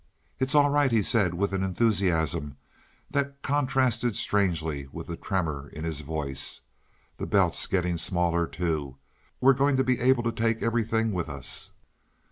"It's all right," he said with an enthusiasm that contrasted strangely with the tremor in his voice. "The belt's getting smaller, too. We're going to be able to take everything with us."